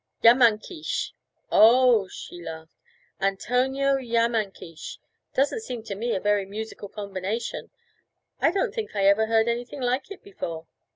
'Yamhankeesh.' 'Oh!' she laughed. 'Antonio Yamhankeesh doesn't seem to me a very musical combination; I don't think I ever heard anything like it before.'